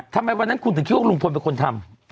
ทำไมวันนั้นคุณถึงคิดว่าลุงพลเป็นคนทำ